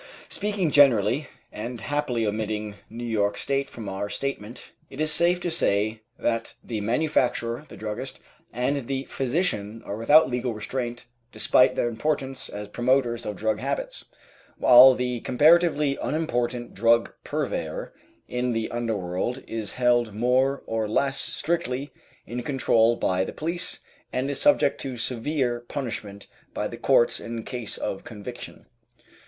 Speaking generally, and happily omitting New York State from our statement, it is safe to say that the manufacturer, the druggist, and the physician are without legal restraint despite their importance as promoters of drug habits, while the comparatively unimportant drug purveyor in the under world is held more or less strictly in control by the police, and is subject to severe punishment by the courts in case of a conviction.